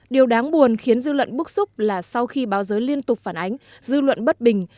điều đáng buồn khiến dư luận bức xúc là sau khi báo giới liên tục phản ánh dư luận bất bình